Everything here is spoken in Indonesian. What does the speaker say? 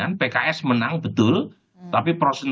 dan yang menarik partai partai di jakarta juga tidak ada yang sangat dorong